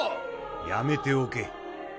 「やめておけ」